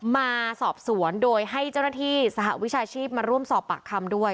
มาสอบสวนโดยให้เจ้าหน้าที่สหวิชาชีพมาร่วมสอบปากคำด้วย